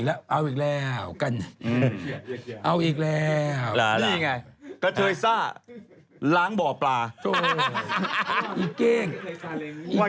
เอาอีกแล้วกันเอาอีกแล้วนี่ไง